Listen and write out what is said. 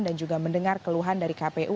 dan juga mendengar keluhan dari kpu